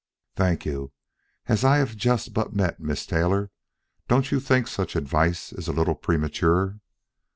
"Thank you. As I have but just met Miss Taylor, don't you think such advice is a little premature?"